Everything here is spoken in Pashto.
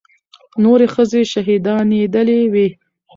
نورې ښځې شهيدانېدلې وې.